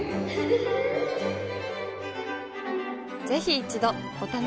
ぜひ一度お試しを。